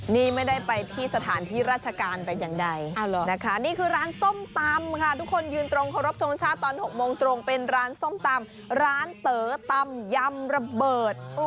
นี่ไม่ได้ไปที่สถานที่ราชการแต่อย่างใดนะคะนี่คือร้านส้มตำค่ะทุกคนยืนตรงเคารพทรงชาติตอน๖โมงตรงเป็นร้านส้มตำร้านเต๋อตำยำระเบิด